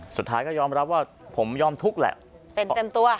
สุดท้ายก็ยอมรับว่าผมยอมทุกข์แหละเป็นเต็มตัว